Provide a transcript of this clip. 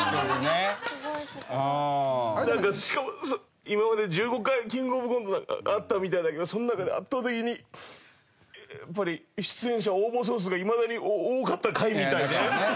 なんかしかもさ今まで１５回キングオブコントがあったみたいだけどその中で圧倒的にやっぱり出演者応募総数がいまだに多かった回みたいね。